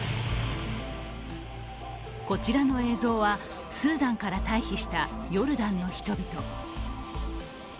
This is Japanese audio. こちらの映像は、スーダンから退避したヨルダンの人々。